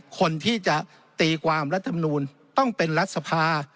คนที่จะตีความรัฐมนูลต้องเป็นรัฐสภา